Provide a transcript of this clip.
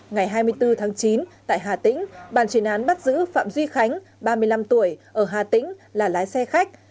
ngày hai mươi bốn tháng chín tại hà tĩnh bàn chuyển án bắt giữ phạm duy khánh ba mươi năm tuổi ở hà tĩnh là lái xe khách